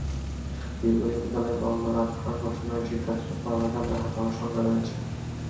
দীর্ঘদিন বিদ্যালয় বন্ধ রাখার ঘোষণায় শিক্ষার্থীরা পড়ালেখা ব্যাহত হওয়ার আশঙ্কা করছে।